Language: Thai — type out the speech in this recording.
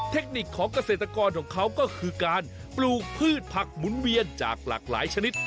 เทคนิคของเกษตรกรของเขาก็คือการปลูกพืชผักหมุนเวียนจากหลากหลายชนิด